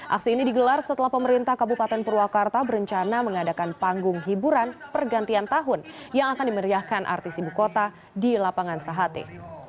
aksi ini digelar setelah pemerintah kabupaten purwakarta berencana mengadakan panggung hiburan pergantian tahun yang akan dimeriahkan artis ibu kota di lapangan sahate